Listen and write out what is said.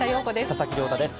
佐々木亮太です。